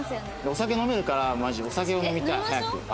お酒飲めるからマジお酒を飲みたい早く。